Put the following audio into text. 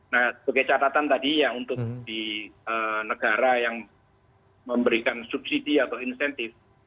nah sebagai catatan tadi ya untuk di negara yang memberikan subsidi atau insentif